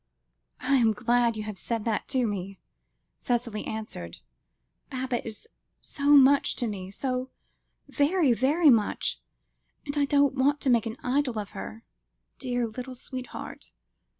"I am glad you have said that to me," Cicely answered. "Baba is so much to me, so very, very much, but I don't want to make an idol of her, dear little sweetheart."